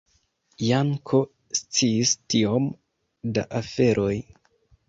Janko sciis tiom da aferoj!